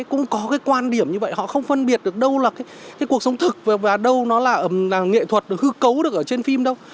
cũng có cái quan điểm như vậy họ không phân biệt được đâu là cái cuộc sống thực và đâu nó là nghệ thuật được hư cấu được ở trên phim đâu